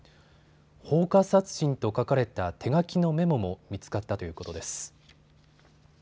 放火殺人と書かれた手書きのメモも見つかったということです。